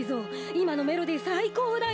いまのメロディーさいこうだよ！